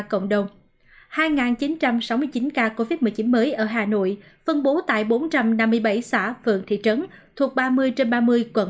covid một mươi chín hai chín trăm sáu mươi chín ca covid một mươi chín mới ở hà nội phân bố tại bốn trăm năm mươi bảy xã phượng thị trấn thuộc ba mươi trên ba mươi quận